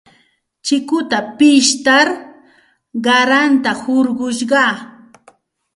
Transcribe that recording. Chikuta pishtar qaranta hurqushqaa.